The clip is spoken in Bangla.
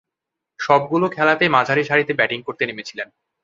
সবগুলো খেলাতেই মাঝারিসারিতে ব্যাটিং করতে নেমেছিলেন।